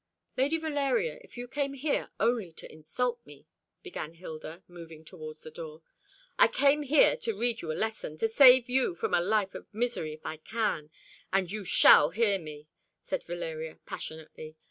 "Lady Valeria, if you came here only to insult me " began Hilda, moving towards the door. "I came here to read you a lesson, to save you from a life of misery if I can; and you shall hear me," said Valeria passionately.